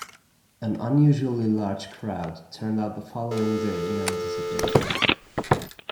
An unusually large crowd turned out the following day in anticipation.